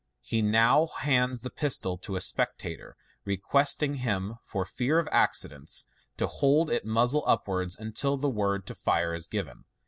He now hands the pistol to a spectator, requesting him, for fear of accidents, to hold it muzzle upwards until the word to fire is given.